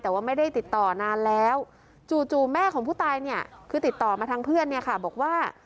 แต่ว่าไม่ได้ติดต่อนานแล้วจู่แม่ของผู้ตายเนี่ยคือติดต่อมาทางเพื่อนเนี่ยค่ะบอกว่า